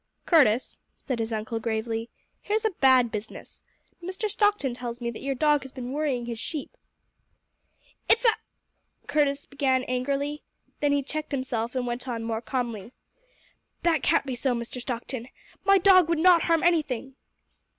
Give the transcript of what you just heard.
"Curtis," said his uncle gravely, "here's a bad business. Mr. Stockton tells me that your dog has been worrying his sheep." "It's a " began Curtis angrily. Then he checked himself and went on more calmly. "That can't be so, Mr. Stockton. My dog would not harm anything."